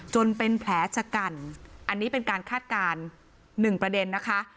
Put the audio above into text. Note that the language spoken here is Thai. จนเป็นแผลชะกันอันนี้เป็นการคาดการณ์หนึ่งประเด็นนะคะ